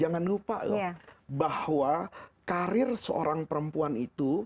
karena karir seorang perempuan itu